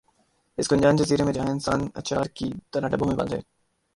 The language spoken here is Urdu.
اس گنجان جزیر ے میں جہاں انسان اچار کی طرح ڈبوں میں بند ہے